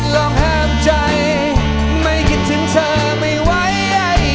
ลองห้ามใจไม่คิดถึงเธอไม่ไหว